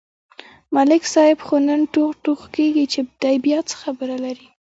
ملک صاحب خو نن ټوغ ټوغ کېږي، چې دی بیا څه خبره لري.